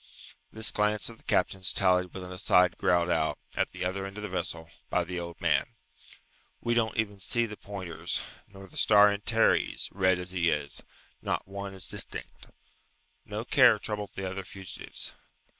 This glance of the captain's tallied with an aside growled out, at the other end of the vessel, by the old man, "We don't even see the pointers, nor the star Antares, red as he is. Not one is distinct." No care troubled the other fugitives.